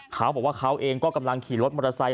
เขาบอกว่าเขาเองก็กำลังขี่รถมอเตอร์ไซค